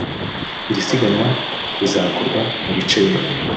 Iri siganwa rizakorwa mu bice bine